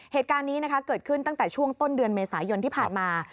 เหตุการณ์นี้เกิดขึ้นตั้งแต่ช่วงต้นเดือนเมษายนที่ผ่านมา